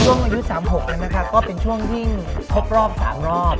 ช่วงอายุ๓๖เนี่ยนะคะก็เป็นช่วงที่พบรอบสามรอบ